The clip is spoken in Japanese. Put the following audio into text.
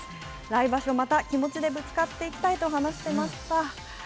来場所また気持ちでぶつかっていきたいと話していました。